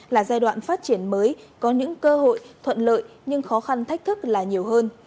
là giai đoạn phát triển mới có những cơ hội thuận lợi nhưng khó khăn thách thức là nhiều hơn